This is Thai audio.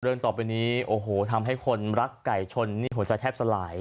ต่อไปนี้โอ้โหทำให้คนรักไก่ชนนี่หัวใจแทบสลาย